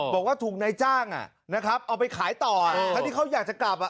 บอกว่าถูกในจ้างเอาไปขายต่อถ้าที่เขาอยากจะกลับ